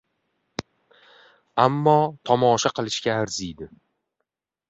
Ammo tomosha qilishga arziydi.